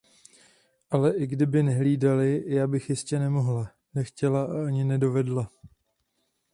Ale i kdyby nehlídali, já bych jistě nemohla, nechtěla a ani nedovedla.